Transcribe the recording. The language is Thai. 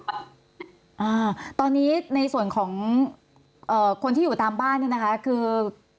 อ่าตอนนี้ในส่วนของเอ่อคนที่อยู่ตามบ้านเนี่ยนะคะคือ